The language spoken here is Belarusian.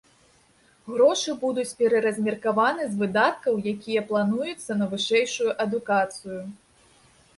Грошы будуць пераразмеркаваны з выдаткаў, якія плануюцца на вышэйшую адукацыю.